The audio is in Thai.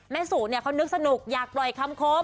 สุเนี่ยเขานึกสนุกอยากปล่อยคำคม